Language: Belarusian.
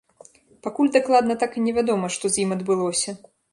Пакуль дакладна так і не вядома, што з ім адбылося.